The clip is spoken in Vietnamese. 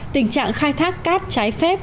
tình trạng khai thác cát trái phép